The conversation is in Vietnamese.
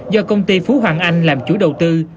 do công ty phú hoàng anh làm chủ đầu tư